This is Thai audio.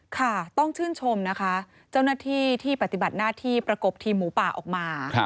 ค่ะต้องชื่นชมนะคะเจ้าหน้าที่ที่ปฏิบัติหน้าที่ประกบทีมหมูป่าออกมา